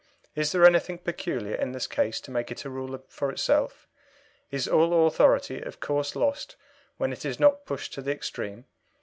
Is there anything peculiar in this case to make it a rule for itself? Is all authority of course lost when it is not pushed to the extreme?